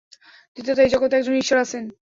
দ্বিতীয়ত এই জগতে একজন ঈশ্বর আছেন।